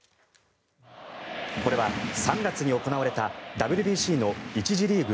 これは３月に行われたＷＢＣの１次リーグ